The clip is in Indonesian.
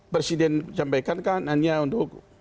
presiden sampaikan kan hanya untuk